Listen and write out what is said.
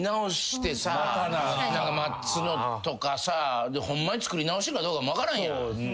待つのとかさホンマに作り直してるかどうかも分からんやん。